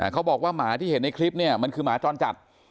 เขาบอกว่าหมาที่เห็นในคลิปเนี่ยมันคือหมาจรจัด